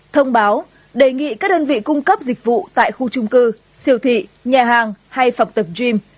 thông báo đề nghị các đơn vị cung cấp dịch vụ tại khu trung cư siêu thị nhà hàng hay phẩm tập gym